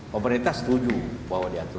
pemerintah setuju bahwa diatur